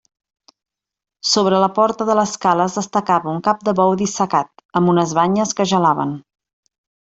Sobre la porta de l'escala es destacava un cap de bou dissecat, amb unes banyes que gelaven.